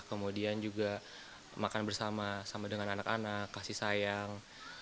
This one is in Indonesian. kemudian juga makan bersama sama dengan anak anak kasih sayang